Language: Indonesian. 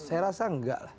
saya rasa enggak lah